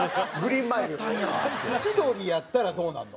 千鳥やったらどうなるの？